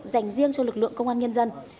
dành riêng cho lực lượng công an nhân dân